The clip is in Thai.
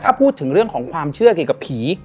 ถ้าพูดถึงเรื่องของความเชื่อเกี่ยวกับผี